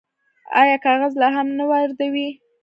آیا کاغذ لا هم نه واردوي؟